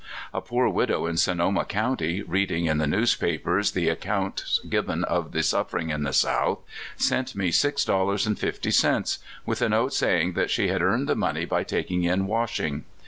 A poor widow iu Sonoma county, reading in the newspapers the accounts given of the suffering in tlie South, sent me six dollars and fifty cents, with a note saying she had earned the money by taking in washing.